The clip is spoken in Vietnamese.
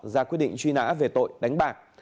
ra quyết định truy nã về tội đánh bạc